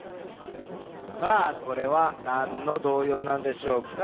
さあこれはなんの童謡なんでしょうか？